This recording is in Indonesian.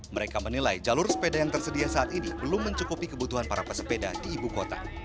mereka menilai jalur sepeda yang tersedia saat ini belum mencukupi kebutuhan para pesepeda di ibu kota